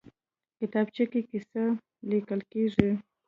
کتابچه کې قصې لیکل کېږي